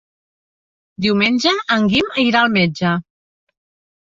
Diumenge en Guim irà al metge.